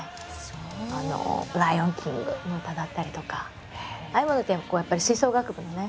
「ライオン・キング」の歌だったりとかああいうものって吹奏楽部のね